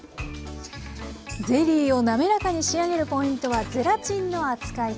ゼリーを滑らかに仕上げるポイントはゼラチンの扱い方。